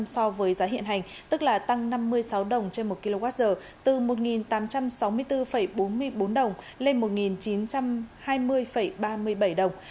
so với giá hiện hành tức là tăng năm mươi sáu đồng trên một kwh từ một tám trăm sáu mươi bốn bốn mươi bốn đồng lên một chín trăm hai mươi ba mươi bảy đồng